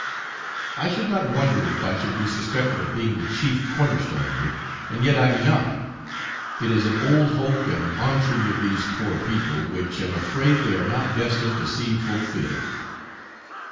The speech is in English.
I should not wonder if I should be suspected of being the chief corner stone of it, and yet I am not: it is an old hope and entreaty of these poor people, which am afraid they are not destined to see fulfilled.